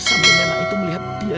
sampai nengah itu melihat dia